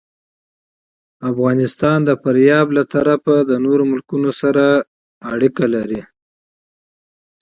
افغانستان د فاریاب له پلوه له نورو هېوادونو سره اړیکې لري.